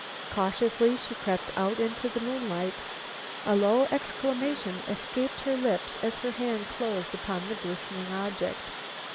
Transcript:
Cautiously she crept out into the moonlight. A low exclamation escaped her lips as her hand closed upon the glistening object.